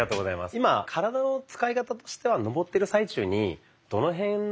今体の使い方としては上ってる最中にどの辺の？